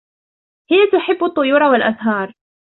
هي تحب الطيور و الأزهار.